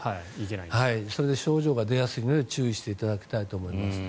それで症状が出やすいので注意していただきたいと思います。